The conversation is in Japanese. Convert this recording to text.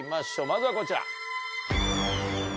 まずはこちら。